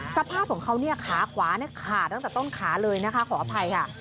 สภาพของเขาขาขวาขาดตั้งแต่ต้นขาเลยนะคะขออภัยค่ะ